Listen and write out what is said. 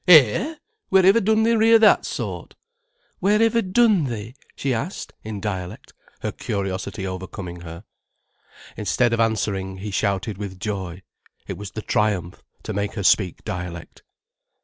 "Hair! Wheriver dun they rear that sort?" "Wheriver dun they?" she asked, in dialect, her curiosity overcoming her. Instead of answering he shouted with joy. It was the triumph, to make her speak dialect.